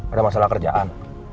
ada masalah kerjaan